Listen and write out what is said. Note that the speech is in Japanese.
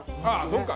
そっか！